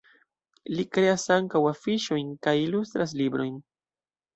Li kreas ankaŭ afiŝojn kaj ilustras librojn.